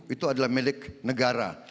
itu adalah milik negara